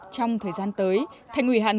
trong thời gian tới thành ủy hạ nội